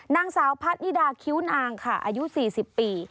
นางสาวพัฒนิดาคิ้วนางค่ะอายุ๔๐ปี